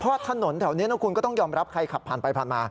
เพราะถนนแถวนี้นะคุณก็ต้องยอมรับใครขับผ่านไปผ่านมา